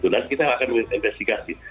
dan kita akan investigasi